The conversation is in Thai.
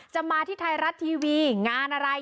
มาที่ไทยรัฐทีวีงานอะไร